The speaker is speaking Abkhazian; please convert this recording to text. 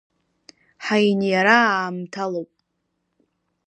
Ҳаиниара аамҭалоуп…